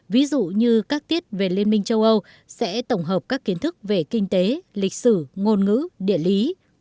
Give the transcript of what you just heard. ví dụ như các tiết về liên minh châu âu sẽ tổng hợp các kiến thức về kinh tế lịch sử ngôn ngữ địa lý